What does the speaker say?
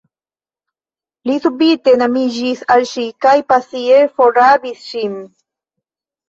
Li subite enamiĝis al ŝi kaj pasie forrabis ŝin.